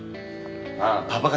ああパパ活。